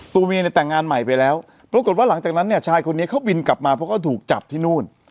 ตัวเมียเนี่ยแต่งงานใหม่ไปแล้วปรากฏว่าหลังจากนั้นเนี่ยชายคนนี้เขาบินกลับมาเพราะเขาถูกจับที่นู่น